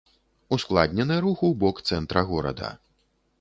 Ускладнены рух у бок цэнтра горада.